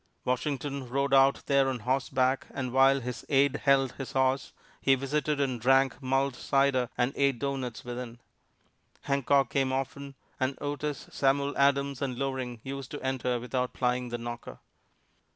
Washington rode out there on horseback, and while his aide held his horse, he visited and drank mulled cider and ate doughnuts within. Hancock came often, and Otis, Samuel Adams and Loring used to enter without plying the knocker.